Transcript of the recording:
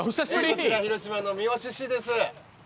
広島の三次市です。